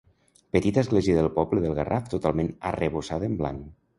Petita església del poble del Garraf totalment arrebossada en blanc.